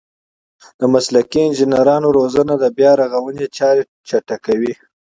د مسلکي انجنیرانو روزنه د بیارغونې چارې چټکوي.